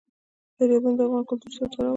دریابونه د افغان کلتور سره تړاو لري.